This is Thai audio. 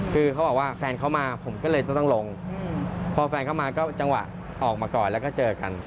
คือเขาบอกว่าแฟนเขามาผมก็เลยจะต้องลงพอแฟนเข้ามาก็จังหวะออกมาก่อนแล้วก็เจอกัน